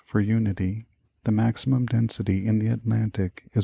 for unity, the maximum density in the Atlantic is 1.